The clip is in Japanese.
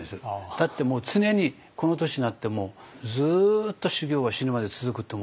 だってもう常にこの年になってもずっと修業は死ぬまで続くって思ってるから。